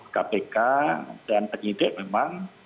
kpk dan penyidik memang